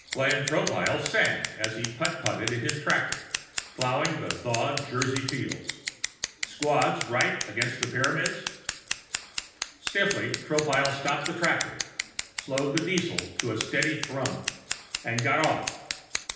Glenn Tropile sang as he putt putted in his tractor, plowing the thawing Jersey fields. Still, a faint doubt remained. Squads right against the Pyramids? Stiffly, Tropile stopped the tractor, slowed the diesel to a steady thrum and got off.